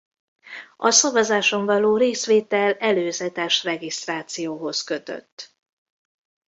A szavazáson való részvétel előzetes regisztrációhoz kötött.